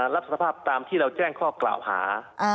รับสภาพตามที่เราแจ้งข้อกล่าวหา